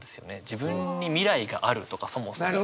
自分に未来があるとかそもそも。